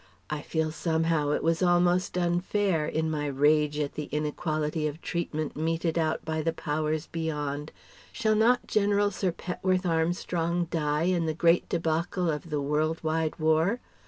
I feel somehow it was almost unfair (in my rage at the inequality of treatment meted out by the Powers Beyond). Shall not General Sir Petworth Armstrong die in the great débacle of the world wide War?